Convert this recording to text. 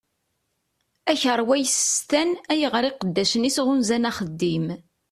Akerwa yessestan ayɣeṛ iqeddacen-is ɣunzan axeddim.